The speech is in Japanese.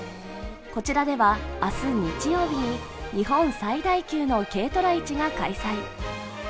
こちらでは、あす日曜日に日本最大級の軽トラ市が開催。